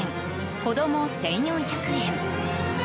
子供１４００円。